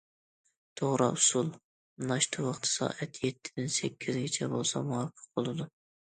توغرا ئۇسۇل: ناشتا ۋاقتى سائەت يەتتىدىن سەككىزگىچە بولسا مۇۋاپىق بولىدۇ.